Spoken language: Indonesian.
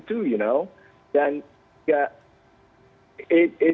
aku juga orang amerika